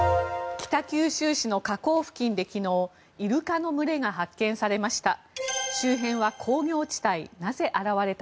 北九州市の河口付近で昨日イルカの群れが発見されました。